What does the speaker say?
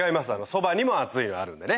そばにもあついはあるんでね